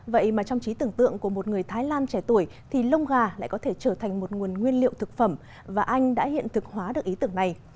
vậy mà trong trí tưởng tượng của một người thái lan trẻ tuổi thì lông gà lại có thể trở thành một nguồn nguyên liệu thực phẩm và anh đã hiện thực hóa được ý tưởng này